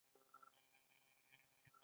ایا زه باید نخود وخورم؟